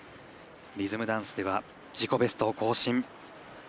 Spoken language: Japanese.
リズムダンスでは自己ベストを更新。